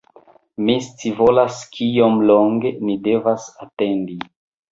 Mi scivolas kiom longe ni devas atendi